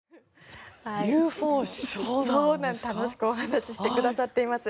楽しくお話してくださっています。